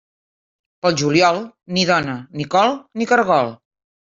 Pel juliol, ni dona, ni col, ni caragol.